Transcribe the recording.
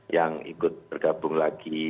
yang ikut bergabung lagi